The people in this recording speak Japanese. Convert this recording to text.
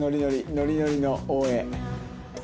ノリノリの大江。